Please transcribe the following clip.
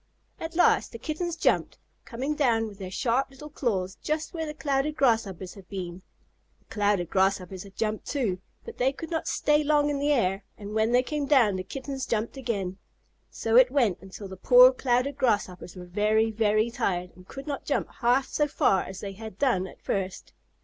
At last the Kittens jumped, coming down with their sharp little claws just where the Clouded Grasshoppers had been. The Clouded Grasshoppers had jumped too, but they could not stay long in the air, and when they came down the Kittens jumped again. So it went until the poor Clouded Grasshoppers were very, very tired and could not jump half so far as they had done at first.